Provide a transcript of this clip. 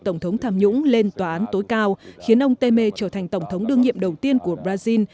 tổng thống tham nhũng lên tòa án tối cao khiến ông temer trở thành tổng thống đương nhiệm đầu tiên của brazil